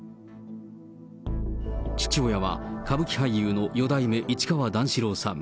父親は歌舞伎俳優の四代目市川段四郎さん。